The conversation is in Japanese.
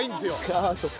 ああそうか。